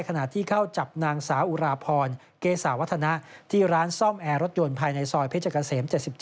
ขณะที่เข้าจับนางสาวอุราพรเกษาวัฒนะที่ร้านซ่อมแอร์รถยนต์ภายในซอยเพชรเกษม๗๗